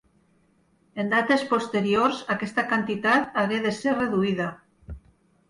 En dates posteriors aquesta quantitat hagué de ser reduïda.